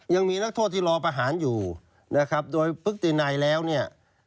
ยังมีนักโทษที่รอประหารอยู่นะครับโดยพฤตินัยแล้วเนี่ย